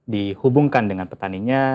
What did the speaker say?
dihubungkan dengan petaninya